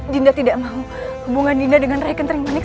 dinda tidak mau hubungan dinda dengan rai kentering manik